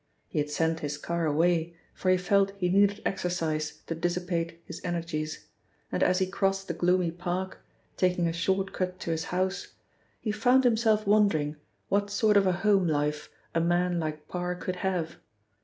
He had sent his car away, for he felt he needed exercise to dissipate his energies, and as he crossed the gloomy park, taking a short cut to his house, he found himself wondering what sort of a home life a man like Parr could have.